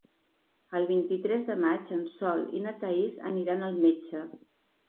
El vint-i-tres de maig en Sol i na Thaís aniran al metge.